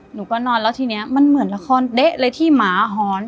หนูก็นอนแล้วทีนี้มันเหมือนละครเด๊ะเลยที่หมาหอน